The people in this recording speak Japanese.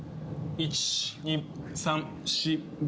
１、２、３、４、５。